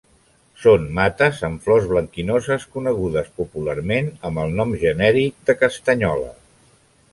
Són mates amb flors blanquinoses conegudes popularment amb el nom genèric de castanyola.